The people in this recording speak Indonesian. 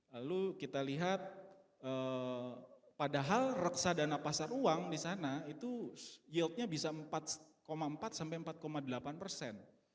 lalu kita lihat padahal reksadana pasar uang di sana itu yieldnya bisa empat empat sampai empat delapan persen